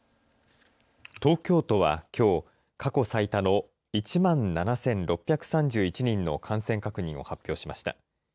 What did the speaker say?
東京都はきょう、過去最多の１万７６３１人の感染確認を発表しました。